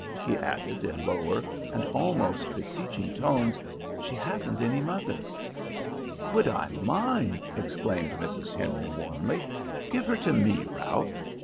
he added, in lower and almost beseeching tones, "she hasn't any mother." "Would I mind!" exclaimed Mrs. Henry, warmly. "Give her to me, Ralph.